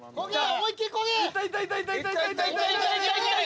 思いっきりこげ！